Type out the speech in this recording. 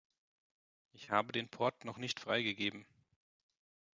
Ich habe den Port noch nicht freigegeben.